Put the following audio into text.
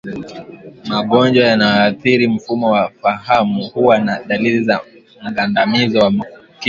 Magonjwa yanayoathiri mfumo wa fahamu huwa na dalili za mgandamizo wa kichwa